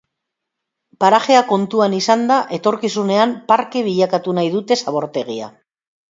Parajea kontuan izanda, etorkizunean, parke bilakatu nahi dute zabortegia.